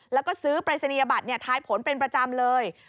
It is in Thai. แล้วก็ซื้อปริศนียบัตรทายผลเป็นประจำเลย